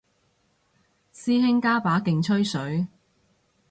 師兄加把勁吹水